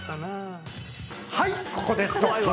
はいここでストップ！